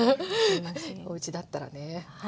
おうちだったらね。